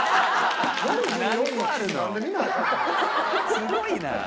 すごいな！